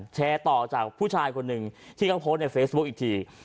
แชร์ต่อจากผู้ชายคนหนึ่งที่เขาโพสต์ในเฟซบุ๊คอีกที